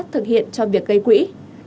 thực hiện cho việc gây quỹ